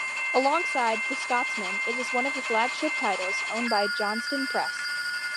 Alongside "The Scotsman" it is one of the flagship titles owned by Johnston Press.